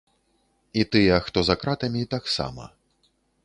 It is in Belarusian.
І тыя, хто за кратамі, таксама.